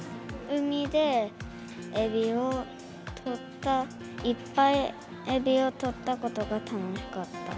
海でエビを取った、いっぱいえびを取ったことが楽しかった。